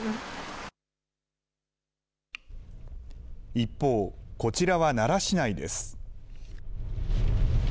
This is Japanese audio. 一方、こちらは奈良市内です。